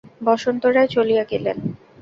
বসন্ত রায় চলিয়া গেলেন।